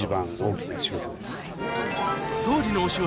総理のお仕事